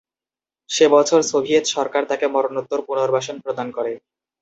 সে বছর সোভিয়েত সরকার তাকে মরণোত্তর পুনর্বাসন প্রদান করে।